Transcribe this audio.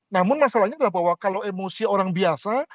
namun masalahnya adalah bahwa kalau emosi orang biasa